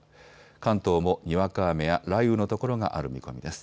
関東もにわか雨や雷雨の所がある見込みです。